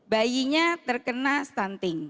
bayinya terkena stunting